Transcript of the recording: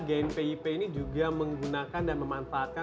gnpip ini juga menggunakan dan memanfaatkan